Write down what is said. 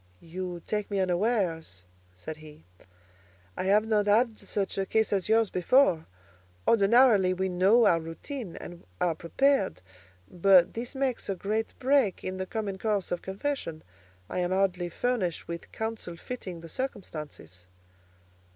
"You take me unawares," said he. "I have not had such a case as yours before: ordinarily we know our routine, and are prepared; but this makes a great break in the common course of confession. I am hardly furnished with counsel fitting the circumstances."